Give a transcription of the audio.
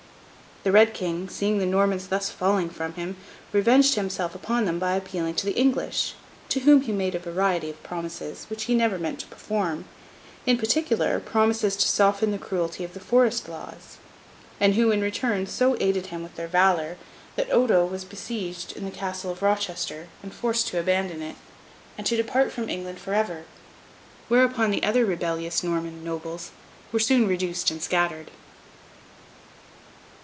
The Red King, seeing the Normans thus falling from him, revenged himself upon them by appealing to the English; to whom he made a variety of promises, which he never meant to perform—in particular, promises to soften the cruelty of the Forest Laws; and who, in return, so aided him with their valour, that Odo was besieged in the Castle of Rochester, and forced to abandon it, and to depart from England for ever: whereupon the other rebellious Norman nobles were soon reduced and scattered.